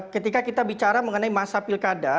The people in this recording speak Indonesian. ketika kita bicara mengenai masa pilkada